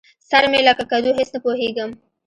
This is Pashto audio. سر مې لکه کدو؛ هېڅ نه پوهېږم.